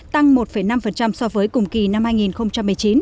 tăng một năm so với cùng kỳ năm hai nghìn một mươi chín